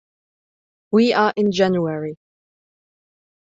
We are in January.